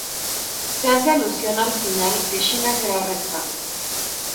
Se hace alusión al final que Sheena será arrestado.